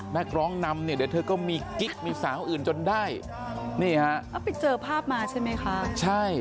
นักร้องนำเนี่ยเดี๋ยวเธอก็มีกิ๊กมีสาวอื่นจนได้นี่ฮะแล้วไปเจอภาพมาใช่ไหมคะใช่